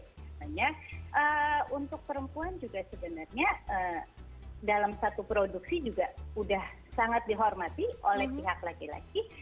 sebenarnya untuk perempuan juga sebenarnya dalam satu produksi juga sudah sangat dihormati oleh pihak laki laki